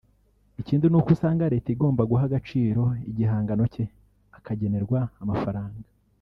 Ikindi ni uko asanga Leta igomba guha agaciro igihangano cye akagenerwa amafaranga